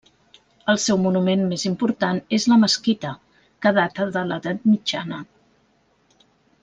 El seu monument més important és la Mesquita, que data de l'edat mitjana.